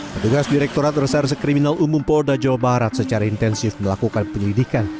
petugas direkturat reserse kriminal umum polda jawa barat secara intensif melakukan penyelidikan